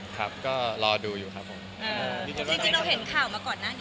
ครับก็รอดูอยู่ครับผม